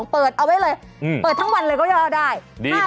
เปิดเอาไว้เลยเปิดทั้งวันเลยก็ย่อได้